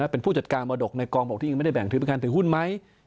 เป็นผู้จัดการมรดกในกองบกที่ยังไม่ได้แบ่งถือเป็นการถือหุ้นไหม